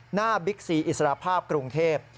บิ๊กซีอิสระภาพกรุงเทพ